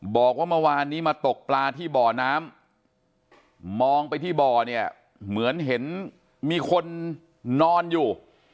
บอกว่าเมื่อวานนี้มาตกปลาที่บ่อน้ำมองไปที่บ่อเนี่ยเหมือนเห็นมีคนนอนอยู่